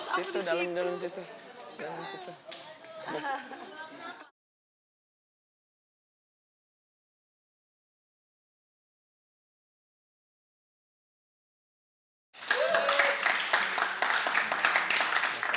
situ dalem dalem situ